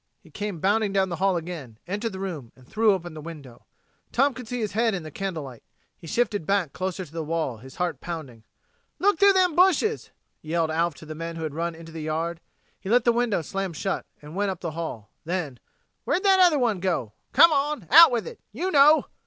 He came bounding down the hall again, entered the room, and threw open the window. Tom could see his head in the candle light. He shifted back closer to the wall, his heart pounding. "Look through them bushes," yelled Alf to the men who had run into the yard. He let the window slam shut and went up the hall. Then: "Where'd that other one go? Come on! Out with it! You know!"